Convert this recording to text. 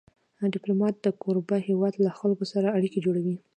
ډيپلومات د کوربه هېواد له خلکو سره اړیکې جوړوي.